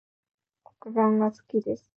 黒板が好きです